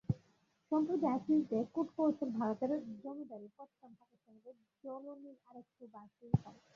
সম্প্রতি আইসিসিতে কূটকৌশলে ভারতের জমিদারি পত্তন পাকিস্তানিদের জ্বলুনি আরেকটু বাড়াতেই পারে।